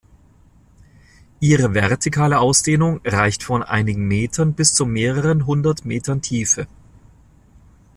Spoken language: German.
Ihre vertikale Ausdehnung reicht von einigen Metern bis zu mehreren hundert Metern Tiefe.